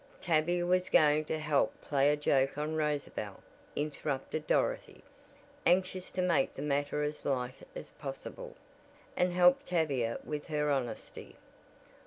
"Tavia was going to help play a joke on Rosabel," interrupted Dorothy, anxious to make the matter as light as possible, and help Tavia with her honesty.